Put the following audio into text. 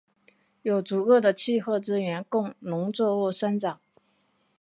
有足够的气候资源供农作物生长。